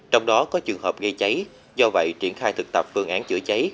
trong đó có trường hợp gây cháy do vậy triển khai thực tập phương án chữa cháy